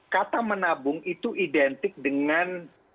kata menabung itu identik dengan